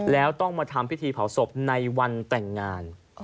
แล้วต้องมาทำพิธีเผาศพในวันแต่งงาน